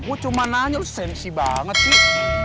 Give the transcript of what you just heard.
gue cuma nanya sensi banget sih